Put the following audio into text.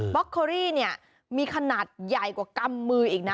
็อกเคอรี่เนี่ยมีขนาดใหญ่กว่ากำมืออีกนะ